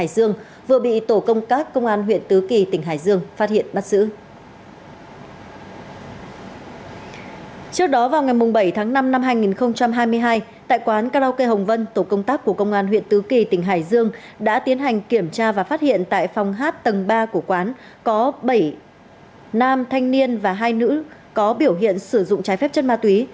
có vào ngày bảy tháng năm năm hai nghìn hai mươi hai tại quán karaoke hồng vân tổ công tác của công an huyện tứ kỳ tỉnh hải dương đã tiến hành kiểm tra và phát hiện tại phòng hát tầng ba của quán có bảy nam thanh niên và hai nữ có biểu hiện sử dụng trái phép chất ma túy